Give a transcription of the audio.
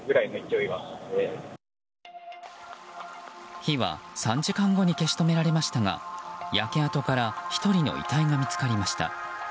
火は３時間後に消し止められましたが焼け跡から１人の遺体が見つかりました。